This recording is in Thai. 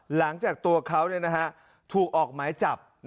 หลังจากตัวเขาถูกออกหมายจับ